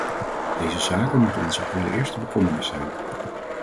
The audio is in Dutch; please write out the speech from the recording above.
Deze zaken moeten onze allereerste bekommernis zijn.